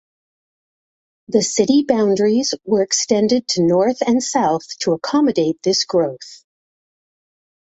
The city boundaries were extended to north and south to accommodate this growth.